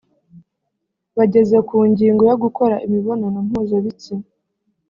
Bageze ku ngingo yo gukora imibonano mpuzabitsina